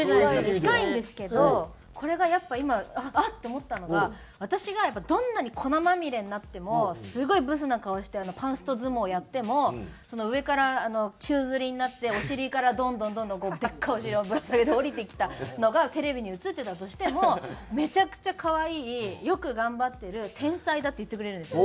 近いんですけどこれがやっぱ今あっ！って思ったのが私がどんなに粉まみれになってもすごいブスな顔してパンスト相撲やっても上から宙づりになってお尻からどんどんどんどんでっかいお尻をぶら下げて下りてきたのがテレビに映ってたとしても「めちゃくちゃ可愛い」「よく頑張ってる」「天才だ」って言ってくれるんですよ。